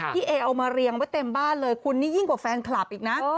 เอเอามาเรียงไว้เต็มบ้านเลยคุณนี่ยิ่งกว่าแฟนคลับอีกนะ